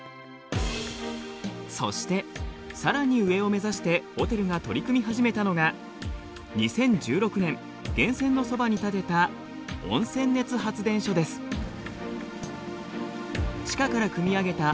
そしてさらに上を目指してホテルが取り組み始めたのが２０１６年源泉のそばに建てたすごいね！